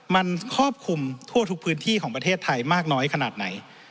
มันครอบคลุมทั่วทุกพื้นที่ของประเทศไทยมากน้อยขนาดไหน